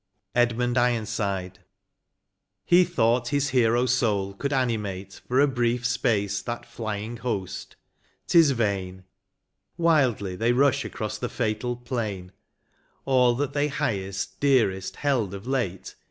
158 LXXVI. EDMUND IRONSIDE. He thought his hero soul could animate For a hrief space that flying host — 't is vain ; Wildly they rush across the fatal plain — All that they highest, dearest, held of late.